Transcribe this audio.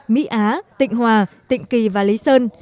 mỹ á tịnh hòa tịnh kỳ và lý sơn